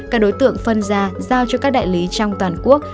các đối tượng phân ra giao cho các đại lý trong toàn quốc